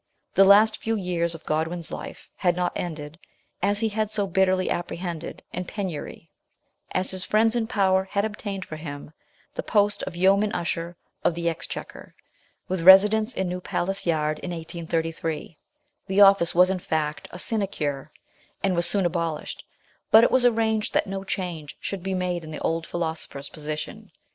The last few years of Godwin's life had not ended, as he had so bitterly apprehended, in penury ; as his friends in power had obtained for him the post of Yeoman Usher of the Exchequer, WIDOWHOOD. 185 with residence in New Palace Yard, in 1833. The office was in fact a sinecure, and was soon abolished ; but it was arranged that no change should be made in the old philosopher's position.